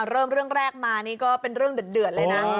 เริ่มเรื่องแรกมานี่ก็เป็นเรื่องเดือดเลยนะ